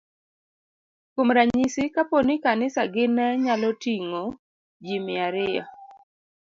Kuom ranyisi, kapo ni kanisagi ne nyalo ting'o ji mia ariyo,